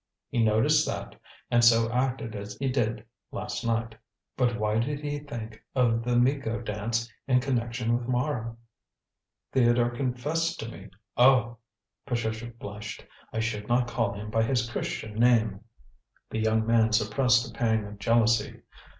He noticed that, and so acted as he did last night." "But why did he think of the Miko dance in connection with Mara?" "Theodore confessed to me oh" Patricia blushed "I should not call him by his Christian name." The young man suppressed a pang of jealousy.